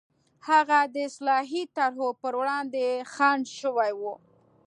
هغه د اصلاحي طرحو پر وړاندې خنډ شوي وو.